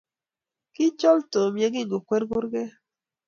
Ki chol Tom ye ki kikwer kurket